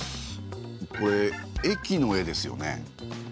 これ駅の絵ですよね。